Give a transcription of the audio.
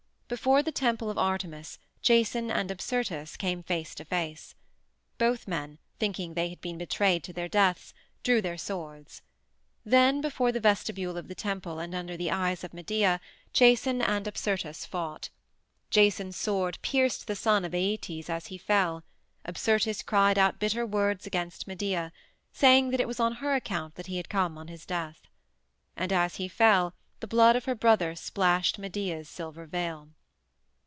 Before the temple of Artemis Jason and Apsyrtus came face to face. Both men, thinking they had been betrayed to their deaths, drew their swords. Then, before the vestibule of the temple and under the eyes of Medea, Jason and Apsyrtus fought. Jason's sword pierced the son of Æetes as he fell Apsyrtus cried out bitter words against Medea, saying that it was on her account that he had come on his death. And as he fell the blood of her brother splashed Medea's silver veil.